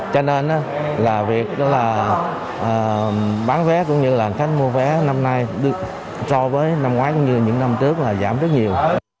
cho nên là việc bán vé cũng như là khách mua vé năm nay so với năm ngoái cũng như những năm trước giảm rất nhiều